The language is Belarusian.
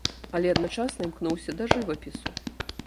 Але адначасна імкнуўся да жывапісу.